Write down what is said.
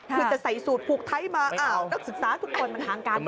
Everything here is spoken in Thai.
คือจะใส่สูตรผูกไท้มานักศึกษาทุกคนมันหางการไป